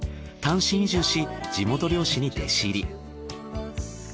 単身移住し地元漁師に弟子入り。